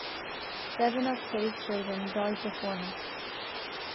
Seven of Clay's children died before him.